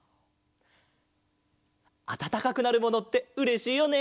あたたかくなるものってうれしいよね！